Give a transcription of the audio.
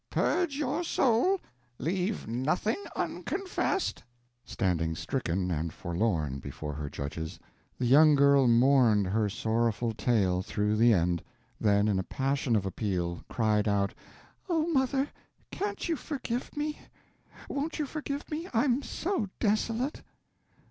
Purge your soul; leave nothing unconfessed." Standing stricken and forlorn before her judges, the young girl mourned her sorrowful tale through the end, then in a passion of appeal cried out: "Oh, mother, can't you forgive me? won't you forgive me? I am so desolate!"